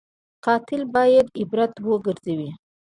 قاتل باید عبرت وګرځي